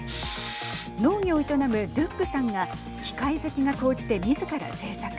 農業を営むドゥックさんが機械好きが高じてみずから製作。